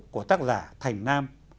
của tác giả thành nam